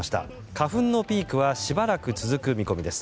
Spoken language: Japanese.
花粉のピークはしばらく続く見込みです。